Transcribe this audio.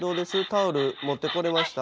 タオル持ってこれました？